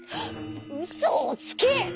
「うそをつけ！